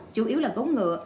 chủ yếu là gấu ngựa